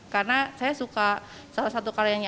karena saya suka salah satu karyanya